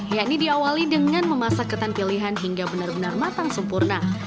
yakni diawali dengan memasak ketan pilihan hingga benar benar matang sempurna